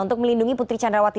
untuk melindungi putri candrawati